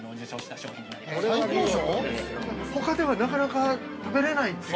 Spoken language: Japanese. ◆ほかではなかなか食べられないという。